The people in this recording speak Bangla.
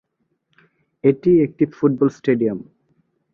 এটি একটি ফুটবলস্টেডিয়াম।